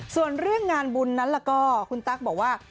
ส่วนเรื่องงานบุญนั้นล่ะก็คุณตั๊กบอกว่า